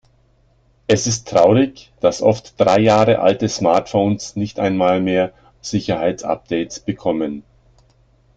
Es ist traurig, dass oft drei Jahre alte Smartphones nicht einmal mehr Sicherheitsupdates bekommen.